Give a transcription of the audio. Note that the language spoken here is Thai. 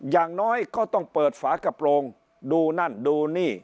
อย่างน้อยก็ต้องเปิดฝากระโปรงดูนั่นดูนี่